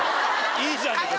いいじゃねえか。